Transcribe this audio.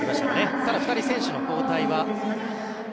ただ、２人選手の交代は。